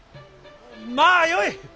まあよい。